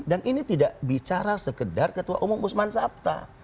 dan ini tidak bicara sekedar ketua umum usman sabta